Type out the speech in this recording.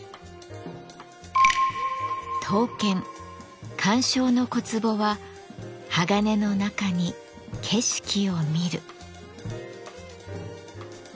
刀剣鑑賞の小壺は鋼の中に景色をみる。